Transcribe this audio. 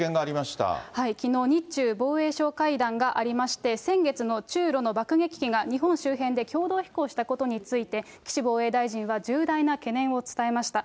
きのう、日中防衛相会談がありまして、先月の中ロの爆撃機が日本周辺で共同飛行したことについて、岸防衛大臣は重大な懸念を伝えました。